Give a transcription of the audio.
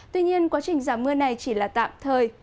tuy nhiên quá trình giảm mưa này chỉ là tạm thời